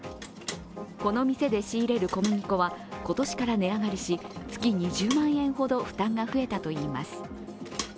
この店で仕入れる小麦粉は今年から値上がりし月２０万円ほど負担が増えたといいます。